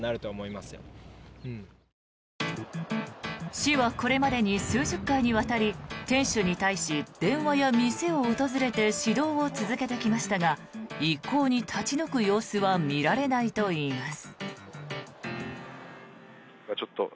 市はこれまでに数十回にわたり店主に対し電話や店を訪れて指導を続けてきましたが一向に立ち退く様子は見られないといいます。